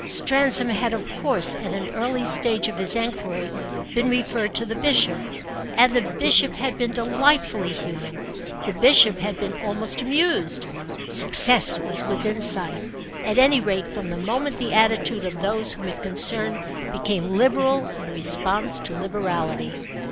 Stransom had of course at an early stage of his enquiry been referred to the Bishop, and the Bishop had been delightfully human, the Bishop had been almost amused. Success was within sight, at any rate from the moment the attitude of those whom it concerned became liberal in response to liberality.